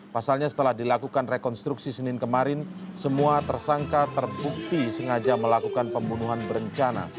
pasalnya setelah dilakukan rekonstruksi senin kemarin semua tersangka terbukti sengaja melakukan pembunuhan berencana